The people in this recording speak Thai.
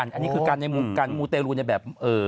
อันนี้คือการหน้ายุนมูเตรลุนได้แบบ